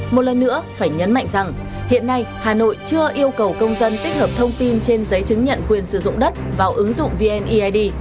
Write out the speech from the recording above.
một lần nữa phải nhấn mạnh rằng hiện nay hà nội chưa yêu cầu công dân tích hợp thông tin trên giấy chứng nhận quyền sử dụng đất vào ứng dụng vneid